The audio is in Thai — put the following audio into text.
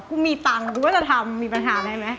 กูมีตังค์กูก็จะทำมีปัญหาได้ไหม